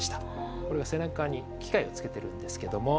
これは背中に機械をつけているんですけども。